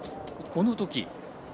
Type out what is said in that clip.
このとき。